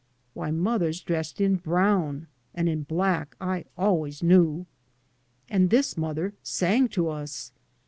Why, mothers dressed in brown and in black, I always knew. And this mother sang to us.